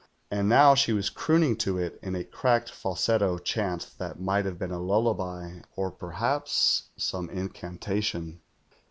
And now she was crooning to it in a cracked false+to chant that might have been a lullaby or perhaps some incantation.